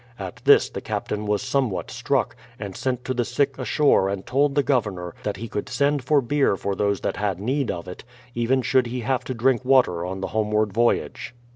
At this the captain was somewhat struck, and sent to the sick ashore and told the Governor that he could send for beer for those that had need of it, even should he have to drink water on the homeward voyage.